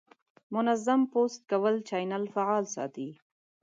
منظم پوسټ کول د چینل فعال ساتي.